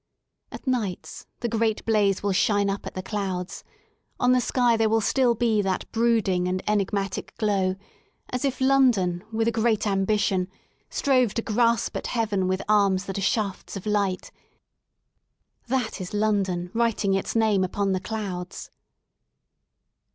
At nights the great blaze wilt shine up at the clouds; on the sky there will still be that brooding and enig 175 THE SOUL OF LONDON matic glow, as if London with a great ambition strove to grasp at Heaven with arms that are shafts of light. .That is London writing its name upon the clouds.